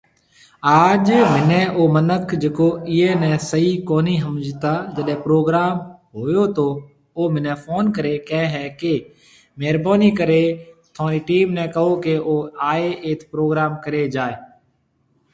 آج مهني او منک جڪو ايئي ني صحيح ڪو ۿمجھتا جڏي پروگرام هوئي تو او مهني فون ڪري ڪي هي ڪي مهربوني ڪري ٿونري ٽيم ني ڪو ڪي او آئي ايٿ پروگرام ڪري جائي